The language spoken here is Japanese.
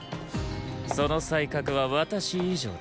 その才覚は私以上だ。